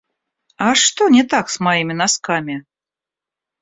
А что не так с моими носками?